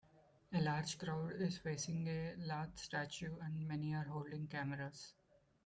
A large crowd is facing a large statue and many are holding cameras